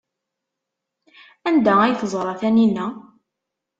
Anda ay teẓra Taninna?